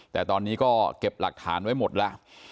แต่ตอนนี้ก็เก็บหลักฐานไว้หมดแล้ว